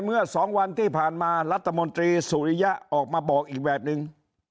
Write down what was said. เมื่อ๒วันที่ผ่านมารัฐมนตรีสุริยะออกมาบอกอีกแบบนึง